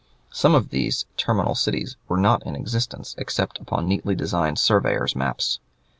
Some of these terminal cities were not in existence except upon neatly designed surveyor's maps.